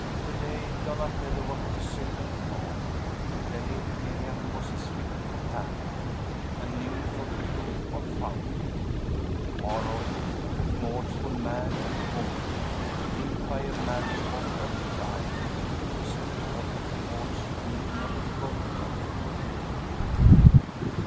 To day Donatello was the sylvan Faun; to day Miriam was his fit companion, a Nymph of grove or fountain; to morrow a remorseful man and woman, linked by a marriage bond of crime they would set forth towards an inevitable goal.